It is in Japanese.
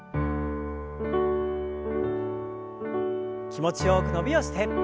気持ちよく伸びをして。